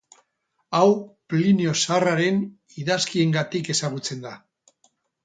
Hau, Plinio Zaharraren idazkiengatik ezagutzen da.